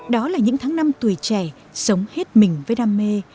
đó là những tháng năm tuổi trẻ sống hết mình với đam mê